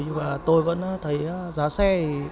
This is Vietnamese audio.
nhưng mà tôi vẫn thấy giá xe